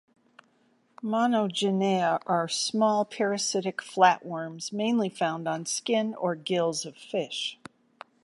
Monogenea are small parasitic flatworms mainly found on skin or gills of fish.